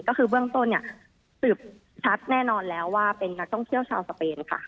ก็คือเบื้องต้นเนี่ยสืบชัดแน่นอนแล้วว่าเป็นนักท่องเที่ยวชาวสเปนค่ะ